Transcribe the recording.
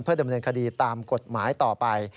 ดำเนินคดีตามกฎหมายต่อไป